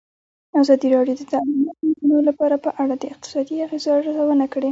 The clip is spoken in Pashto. ازادي راډیو د تعلیمات د نجونو لپاره په اړه د اقتصادي اغېزو ارزونه کړې.